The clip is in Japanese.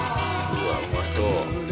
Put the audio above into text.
うわうまそう。